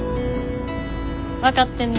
分かってんね